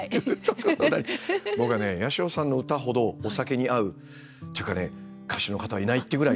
僕はね八代さんの歌ほどお酒に合うっていうかね歌手の方はいないっていうぐらい。